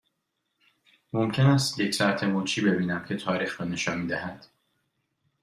ممکن است یک ساعت مچی ببینم که تاریخ را نشان می دهد؟